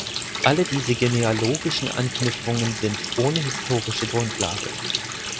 Alle diese genealogischen Anknüpfungen sind ohne historische Grundlage.